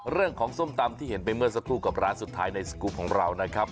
ส้มตำที่เห็นไปเมื่อสักครู่กับร้านสุดท้ายในสกุปของเรานะครับ